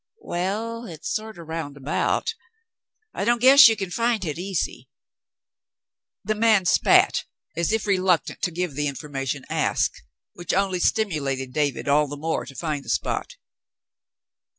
"Waal, hit's sorter round about. I don't guess ye c'n find hit easy." The man spat as if reluctant to give the information asked, which only stimulated David all the more to find the spot.